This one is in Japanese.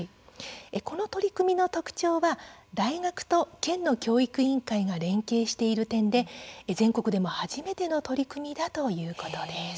この取り組みの特徴は大学と県の教育委員会が連携している点で全国でも初めての取り組みだということです。